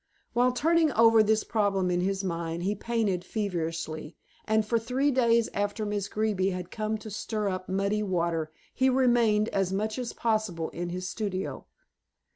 While turning over this problem in his mind, he painted feverishly, and for three days after Miss Greeby had come to stir up muddy water, he remained as much as possible in his studio.